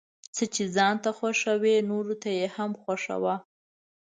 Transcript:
څه چې ځان ته خوښوې نوروته يې هم خوښوه ،